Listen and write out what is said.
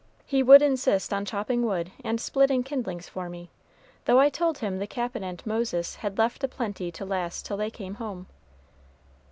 He would insist on chopping wood and splitting kindlings for me, though I told him the Cap'n and Moses had left a plenty to last till they came home."